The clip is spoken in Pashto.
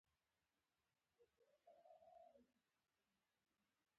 بادرنګ د ورم مخنیوی کوي.